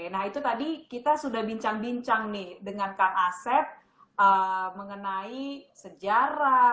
nah itu tadi kita sudah bincang bincang nih dengan kang asep mengenai sejarah